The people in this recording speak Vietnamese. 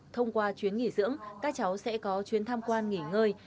thông qua chuyến nghỉ dưỡng các cháu sẽ có chuyến tham quan nghỉ ngơi